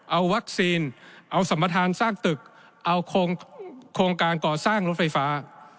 เอาวัคซีนเอาสัมประธานสร้างตึกเอาโครงการก่อสร้างรถไฟฟ้า